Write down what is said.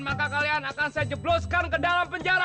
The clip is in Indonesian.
maka kalian akan saya jebloskan ke dalam penjara